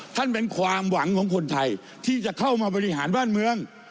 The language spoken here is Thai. เป็นความหวังของคนไทยที่จะเข้ามาบริหารบ้านเมือง